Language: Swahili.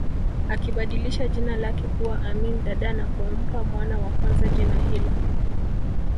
Akibadilisha jina lake kuwa Amin Dada na kumpa mwana wa kwanza jina hilo